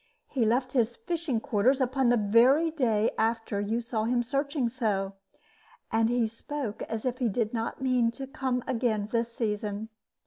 He left his fishing quarters upon the very day after you saw him searching so; and he spoke as if he did not mean to come again this season.